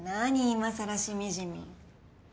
いまさらしみじみ。